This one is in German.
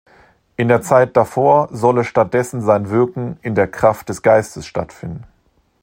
In der Zeit davor solle stattdessen sein Wirken in der Kraft des Geistes stattfinden.